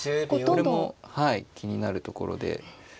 これも気になるところで。